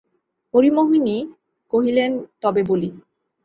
হরিমোহিনী কহিলেন, তবে বলি।